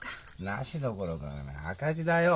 「なし」どころかお前赤字だよ。